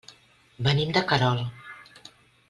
Venim de Querol.